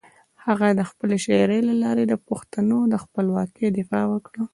هغه د خپلې شاعري له لارې د پښتنو د خپلواکۍ دفاع وکړه.